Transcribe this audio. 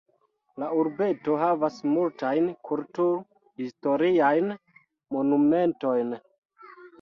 La urbeto havas multajn kultur-historiajn monumentojn.